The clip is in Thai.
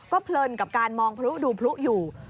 เพลินกับการมองพลุดูพลุอยู่